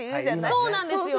そうなんですよ。